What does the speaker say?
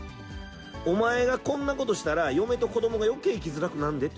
お前がこんなことしたら、嫁と子どもがよけい生きづらくなんでって。